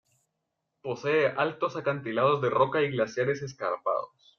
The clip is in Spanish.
Posee altos acantilados de roca y glaciares escarpados.